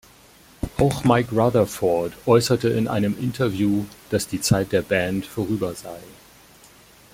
Auch Mike Rutherford äußerte in einem Interview, dass die Zeit der Band vorüber sei.